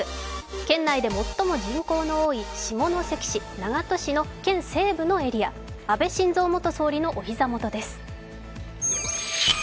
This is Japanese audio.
県内で最も人口の多い、下関市など県西部のエリア、安倍晋三元総理のお膝元です。